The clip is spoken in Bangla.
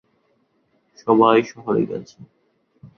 সবাই শহরে গেছে।